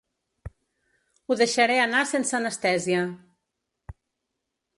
Ho deixaré anar sense anestèsia.